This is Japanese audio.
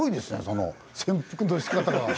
その潜伏のしかたが。